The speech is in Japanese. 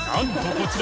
こちら